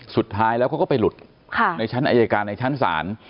สุดท้ายแล้วเขาก็ไปหลุดในชั้นอายการในชั้นศาล